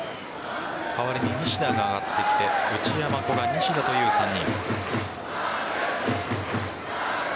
代わりに西田が上がってきて内山、古賀、西田という３人。